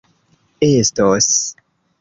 estos